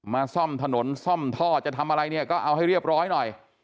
ซ่อมถนนซ่อมท่อจะทำอะไรเนี่ยก็เอาให้เรียบร้อยหน่อย